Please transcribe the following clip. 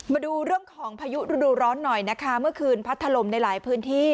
มาดูเรื่องของพายุฤดูร้อนหน่อยนะคะเมื่อคืนพัดถล่มในหลายพื้นที่